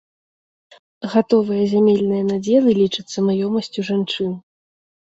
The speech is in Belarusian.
Гатовыя зямельныя надзелы лічацца маёмасцю жанчын.